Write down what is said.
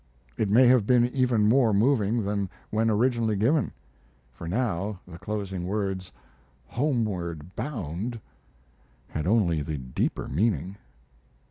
It may have been even more moving than when originally given, for now the closing words, "homeward bound," had only the deeper meaning.